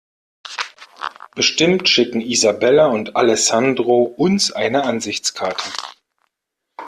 Bestimmt schicken Isabella und Alessandro uns eine Ansichtskarte.